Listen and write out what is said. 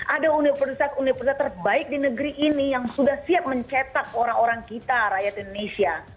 ada universitas universitas terbaik di negeri ini yang sudah siap mencetak orang orang kita rakyat indonesia